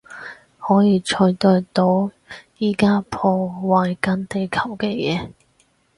可以取代到而家破壞緊地球嘅嘢